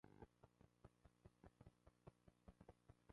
El sexo de las crías depende de la temperatura.